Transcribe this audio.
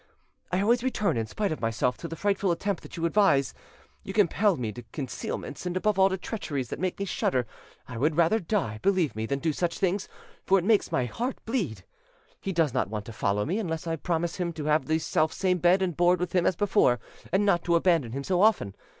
"I always return, in spite of myself, to the frightful attempt that you advise. You compel me to concealments, and above all to treacheries that make me shudder; I would rather die, believe me, than do such things; for it makes my heart bleed. He does not want to follow me unless I promise him to have the selfsame bed and board with him as before, and not to abandon him so often.